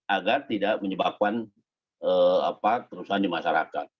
agar tidak menyebabkan kerusuhan di masyarakat